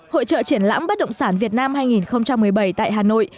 hội trợ triển lãm bất động sản việt nam hai nghìn một mươi bảy tại hà nội